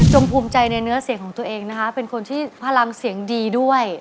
ภูมิใจในเนื้อเสียงของตัวเองนะคะเป็นคนที่พลังเสียงดีด้วย